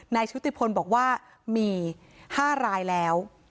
ชุติพลบอกว่ามี๕รายแล้ว